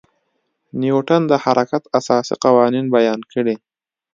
نیوټن د حرکت اساسي قوانین بیان کړي.